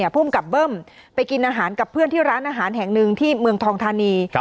ภูมิกับเบิ้มไปกินอาหารกับเพื่อนที่ร้านอาหารแห่งหนึ่งที่เมืองทองทานี